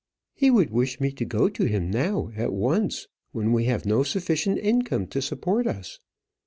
"He would wish me to go to him now, at once; when we have no sufficient income to support us."